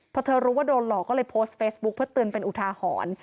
พอเธอรู้ว่าโดนหลอกก็เลยโพสต์เฟซบุ๊คเพื่อเตือนเป็นอุทาหรณ์